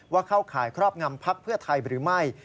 เข้าข่ายครอบงำพักเพื่อไทยหรือไม่